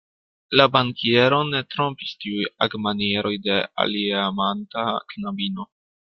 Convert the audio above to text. La bankieron ne trompis tiuj agmanieroj de alieamanta knabino.